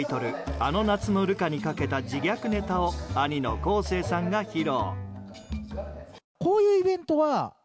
「あの夏のルカ」にかけた自虐ネタを兄の昴生さんが披露。